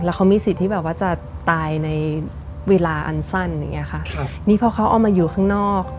แล้วเขามีสิทธิ์ที่แบบว่าจะตายในเวลาอันสั้นอย่างเงี้ค่ะครับนี่พอเขาเอามาอยู่ข้างนอก